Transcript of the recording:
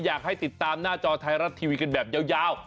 อยากให้ติดตามหน้าจอไทยรัฐทีวีกันแบบยาว